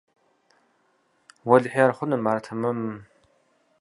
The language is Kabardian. Уэлэхьи ар хъуным, ар нэхъ тэмэмым.